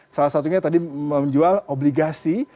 salah satunya tadi menjual obligasi